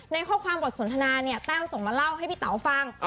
ในข้อความบทสนทนาเนี่ยแต้วส่งมาเล่าให้พี่เต๋าฟัง